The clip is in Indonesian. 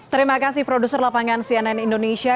terima kasih produser lapangan cnn indonesia